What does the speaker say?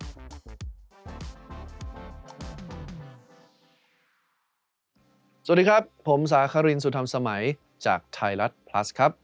สวัสดีครับผมสาครินสุธรรมสมัยจากไทยรัฐพลัสครับ